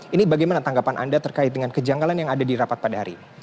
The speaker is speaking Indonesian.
ini bagaimana tanggapan anda terkait dengan kejanggalan yang ada di rapat pada hari ini